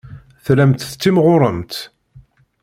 Tellamt tettimɣuremt.